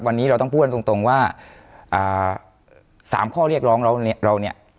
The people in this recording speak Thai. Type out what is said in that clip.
วันนี้เราต้องพูดกันตรงว่า๓ข้อเรียกร้องเราเนี่ยเราเนี่ย